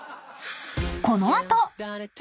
［この後］